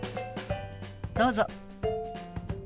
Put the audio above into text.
どうぞ。